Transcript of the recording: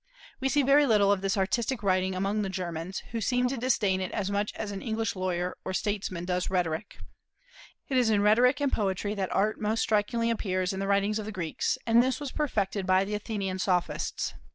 We see very little of this artistic writing among the Germans, who seem to disdain it as much as an English lawyer or statesman does rhetoric. It is in rhetoric and poetry that Art most strikingly appears in the writings of the Greeks, and this was perfected by the Athenian Sophists.